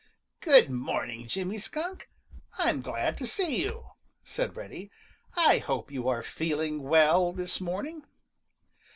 "Good morning, Jimmy Skunk. I'm glad to see you," said Reddy. "I hope you are feeling well this morning."